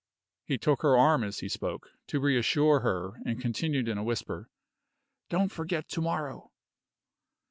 He took her arm as he spoke, to reassure her, and continued in a whisper, "Don't forget to morrow."